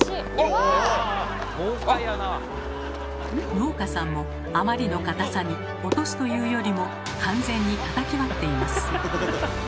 農家さんもあまりの硬さに落とすというよりも完全にたたき割っています。